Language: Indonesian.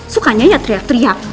sukanya ya teriak teriak